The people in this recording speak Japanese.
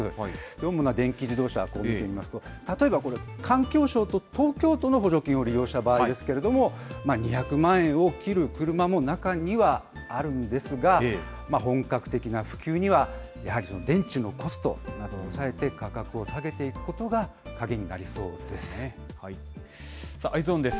主な電気自動車を見てみますと、例えば環境省と東京都の補助金を利用した場合ですけれども、２００万円を切る車も中にはあるんですが、本格的な普及には、やはり電池のコストなどを抑えて、価格を下げていくことが鍵になりそうです。